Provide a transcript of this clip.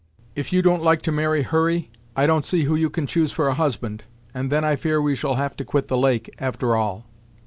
If you don't like to marry Hurry, I don't see who you can choose for a husband, and then I fear we shall have to quit the lake, after all."